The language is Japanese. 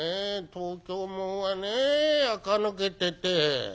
東京もんはねえあか抜けてて。